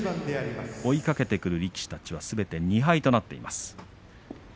追いかけてくる力士たちはすべて２敗となっています。